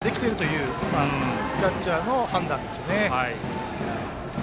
それだけコントロールがまだできているというキャッチャーの判断ですね。